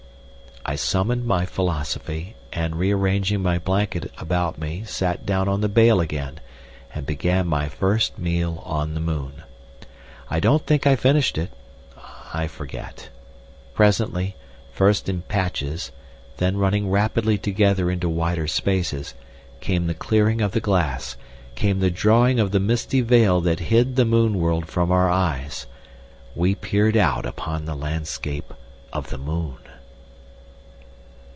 I summoned my philosophy, and rearranging my blanket about me sat down on the bale again and began my first meal on the moon. I don't think I finished it—I forget. Presently, first in patches, then running rapidly together into wider spaces, came the clearing of the glass, came the drawing of the misty veil that hid the moon world from our eyes. We peered out upon the landscape of the moon.